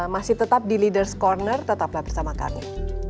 masih tetap di leaders' corner tetaplah bersama kami